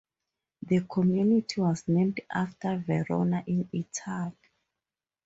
The community was named after Verona, in Italy.